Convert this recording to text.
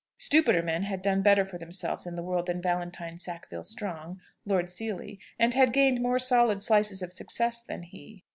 Stupider men had done better for themselves in the world than Valentine Sackville Strong, Lord Seely, and had gained more solid slices of success than he.